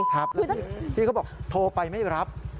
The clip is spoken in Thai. เขาก็บอกโทรไปไม่หรือยัง